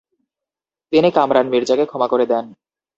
তিনি কামরান মির্জাকে ক্ষমা করে দেন।